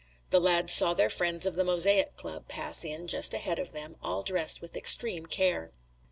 The lads saw their friends of the Mosaic Club pass in just ahead of them, all dressed with extreme care.